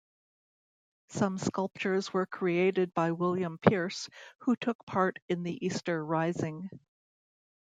Some sculptures were created by William Pearse who took part in the Easter Rising.